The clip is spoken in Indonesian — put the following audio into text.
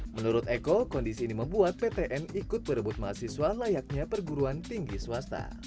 menurut eko kondisi ini membuat ptn ikut berebut mahasiswa layaknya perguruan tinggi swasta